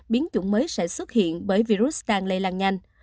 biến chủng mới sẽ xuất hiện bởi virus đang lây lan nhanh